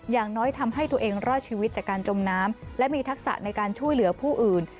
อย่างน้อยทำให้ตัวเองรอดชีวิตจากการจมน้ำและมีทักษะในการช่วยเหลือผู้อื่น